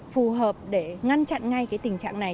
phù hợp để ngăn chặn ngay tình trạng này